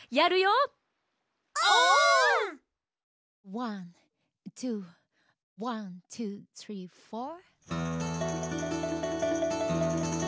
ワンツーワンツースリーフォー。